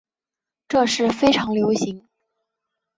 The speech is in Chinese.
这是非常流行。